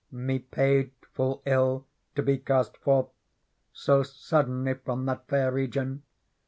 " Me payed full ill to be cast forth So suddenly from that fair region.